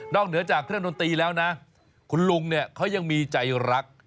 เหนือจากเครื่องดนตรีแล้วนะคุณลุงเนี่ยเขายังมีใจรัก